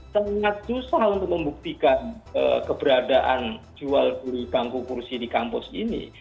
sangat susah untuk membuktikan keberadaan jual juri kampu korupsi di kampus ini